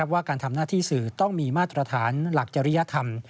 ว่าการทำหน้าที่สื่อต้องมีมาตรฐานหลักจริยธรรม